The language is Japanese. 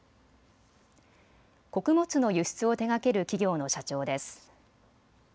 穀物の輸出を手がける企業の社長です。